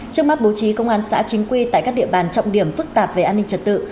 trước mắt bố trí công an xã chính quy tại các địa bàn trọng điểm phức tạp về an ninh trật tự